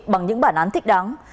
bằng những bản án thích đáng